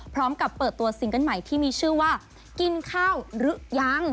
เปิดตัวซิงเกิ้ลใหม่ที่มีชื่อว่ากินข้าวหรือยัง